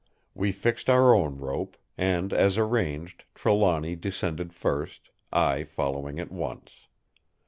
We fixed our own rope, and as arranged Trelawny descended first, I following at once.